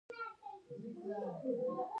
بغلان د ډبرو سکرو کان لري